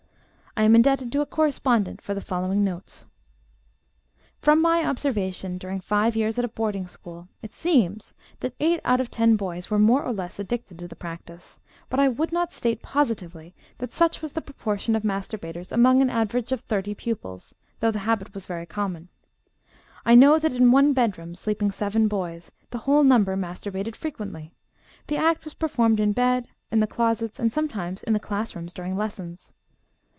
I am indebted to a correspondent for the following notes: "From my observation during five years at a boarding school, it seems that eight out of ten boys were more or less addicted to the practice. But I would not state positively that such was the proportion of masturbators among an average of thirty pupils, though the habit was very common. I know that in one bedroom, sleeping seven boys, the whole number masturbated frequently. The act was performed in bed, in the closets, and sometimes in the classrooms during lessons.